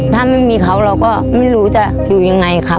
ถ้าไม่มีเขาเราก็ไม่รู้จะอยู่ยังไงครับ